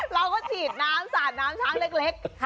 เราก็ฉีดน้ำสาดน้ำช้างเล็ก